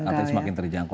artinya semakin terjangkau